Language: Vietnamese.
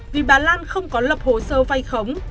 vì bà lan không có lập hồ sơ vay khống